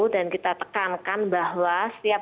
dan kita tekankan bahwa